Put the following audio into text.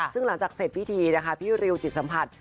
ซึ่งหลังจากเสร็จพิธีนะคะพี่ริวจิตสัมผัส